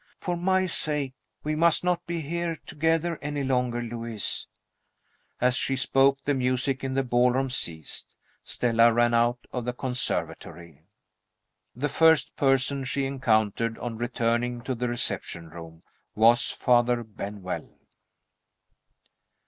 "For my sake, we must not be here together any longer, Lewis." As she spoke, the music in the ballroom ceased. Stella ran out of the conservatory. The first person she encountered, on returning to the reception room, was Father Benwell.